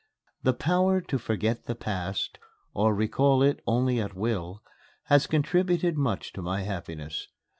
This power to forget the past or recall it only at will has contributed much to my happiness.